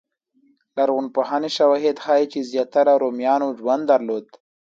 لرغونپوهنې شواهد ښيي زیاتره رومیانو ژوند درلود.